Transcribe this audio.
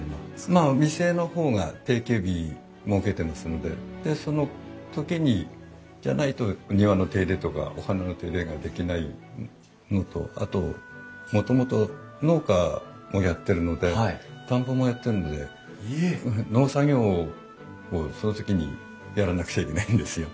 まあ店の方が定休日設けてますのででその時じゃないと庭の手入れとかお花の手入れができないのとあともともと農家もやってるので田んぼもやってるので農作業をその時にやらなくちゃいけないんですよ。